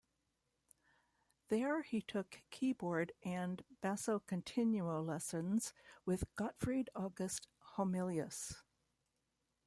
There he took keyboard and basso continuo lessons with Gottfried August Homilius.